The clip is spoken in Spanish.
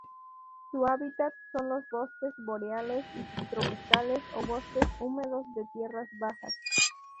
Su hábitat son los bosques boreales y subtropicales o bosques húmedos de tierras bajas.